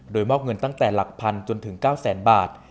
โดยมอบเงินตั้งแต่หลักพันจนถึง๙แสนบาท